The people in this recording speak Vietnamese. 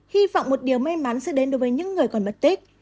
hy vọng một điều may mắn sẽ đến đối với những người còn mất tích